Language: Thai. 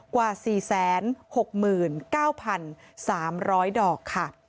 กว่า๔๖๙๓๐๐ดอกค่ะ